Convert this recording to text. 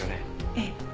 ええ。